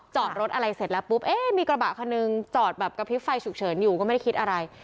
จอดรถอะไรเสร็จแล้วปุ๊บเอ๊ะมีกระบะคันนึงจอดแบบกระพริบไฟฉุกเฉินอยู่ก็ไม่ได้คิดอะไร